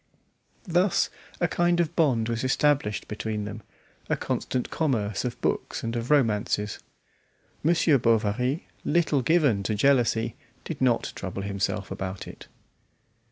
Thus a kind of bond was established between them, a constant commerce of books and of romances. Monsieur Bovary, little given to jealousy, did not trouble himself about it.